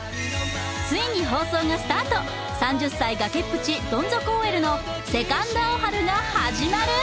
ついに放送がスタート３０歳崖っぷちどん底ＯＬのセカンド・アオハルが始まる！